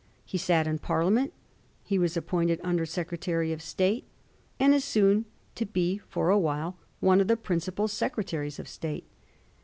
He sat in Parliament ; he was appointed Under Secretary of State, and is soon to be for awhile one of the principal Secretaries of State.